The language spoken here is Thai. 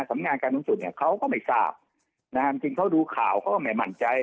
สำงานการสูงสุดเนี่ยเขาก็ไม่ทราบนะฮะจริงเขาดูข่าวเขาก็ไม่มั่นใจ